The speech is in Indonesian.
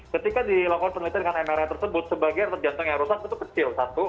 ketika dilakukan penelitian dengan mr tersebut sebagian retak jantung yang rusak itu kecil satu